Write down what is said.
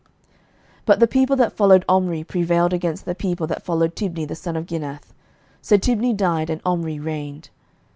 11:016:022 But the people that followed Omri prevailed against the people that followed Tibni the son of Ginath: so Tibni died, and Omri reigned.